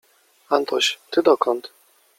Antoś, ty dokąd?